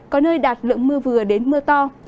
có nơi đạt lượng mưa vừa đến mưa to